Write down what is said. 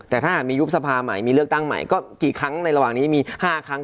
แต่ถ้าหากมียุบสภาใหม่มีเลือกตั้งใหม่ก็กี่ครั้งในระหว่างนี้มี๕ครั้ง